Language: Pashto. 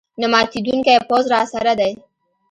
نه ماتېدونکی پوځ راسره دی.